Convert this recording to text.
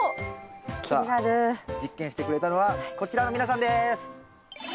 さあ実験してくれたのはこちらの皆さんです！